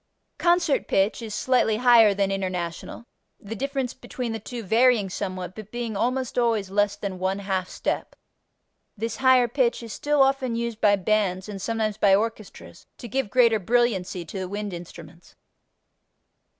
Concert pitch is slightly higher than International, the difference between the two varying somewhat, but being almost always less than one half step. This higher pitch is still often used by bands and sometimes by orchestras to give greater brilliancy to the wind instruments.